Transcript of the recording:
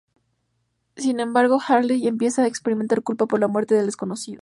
Sin embargo, Ashley empieza a experimentar culpa por la muerte del desconocido.